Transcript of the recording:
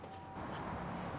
あっ。